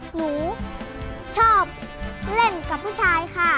หนูชอบเล่นกับผู้ชายค่ะ